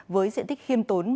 với diện tích khiêm tốn